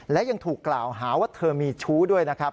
และยังถูกกล่าวหาว่าเธอมีชู้ด้วยนะครับ